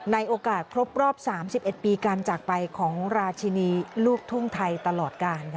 ในโอกาสครบรอบ๓๑ปีการจากไปของราชินีลูกทุ่งไทยตลอดกาล